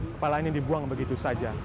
kepala ini dibuang begitu saja